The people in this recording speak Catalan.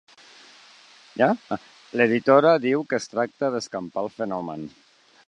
L'editora diu que es tracta d'escampar el fenomen.